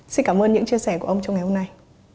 xin cảm ơn những chia sẻ của ông trong ngày hôm nay